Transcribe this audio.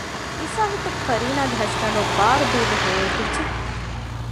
އިސާހިތަކު ފަރީނާގެ ހަށިގަނޑުން ބާރުދޫވެ ހޭނެތިއްޖެ